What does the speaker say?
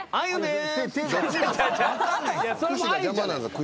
分かんないんす。